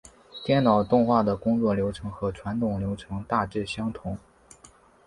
电脑动画的工作流程和传统流程大致相同。